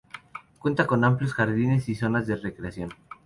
Cuenta con amplios jardines y zonas de recreación.